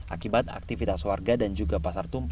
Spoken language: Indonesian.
akibat aktivitas warga dan juga pasar tumpah